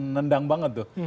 nendang banget tuh